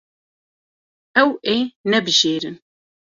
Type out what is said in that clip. Ew ê nebijêrin.